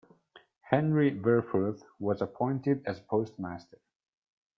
Henry Verfurth was appointed as postmaster.